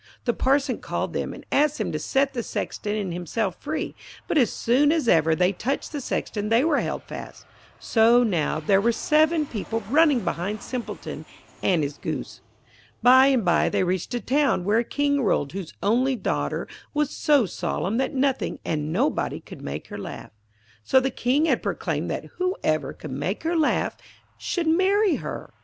The Parson called them, and asked them to set the Sexton and himself free. But as soon as ever they touched the Sexton they were held fast, so now there were seven people running behind Simpleton and his Goose. By and by they reached a town, where a King ruled whose only daughter was so solemn that nothing and nobody could make her laugh. So the King had proclaimed that whoever could make her laugh should marry her.